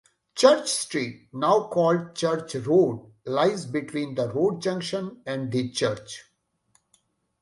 Church Street, now called Church Road, lies between the road junction and the church.